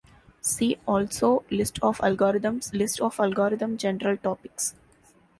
See also list of algorithms, list of algorithm general topics.